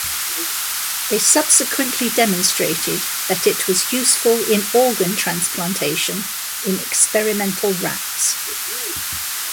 They subsequently demonstrated that it was useful in organ transplantation in experimental rats.